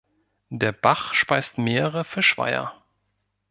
Der Bach speist mehrere Fischweiher.